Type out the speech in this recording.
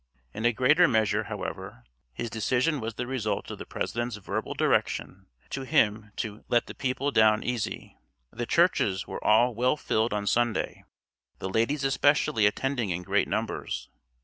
In a greater measure, however, his decision was the result of the President's verbal direction to him to "let the people down easy." The churches were all well filled on Sunday, the ladies especially attending in great numbers.